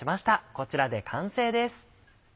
こちらで完成です。